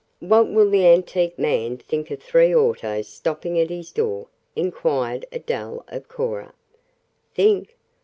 "What will the antique man think of three autos stopping at his door?" inquired Adele of Cora. "Think?